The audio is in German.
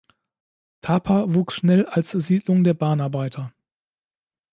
Tapa wuchs schnell als Siedlung der Bahnarbeiter.